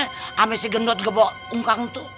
sama si gendot ngebawa kumkang tuh